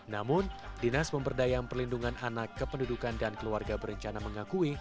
namun dinas pemberdayaan perlindungan anak kependudukan dan keluarga berencana mengakui